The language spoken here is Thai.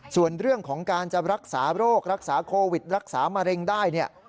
ส่วนเรื่องของการจะรักษาโรครักษาโควิดรักษามะเร็งได้เนี่ย